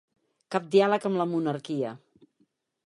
Cap diàleg amb la monarquia.